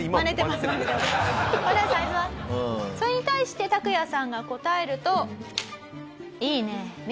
それに対してタクヤさんが答えると。